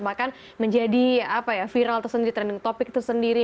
bahkan menjadi viral tersendiri trending topic tersendiri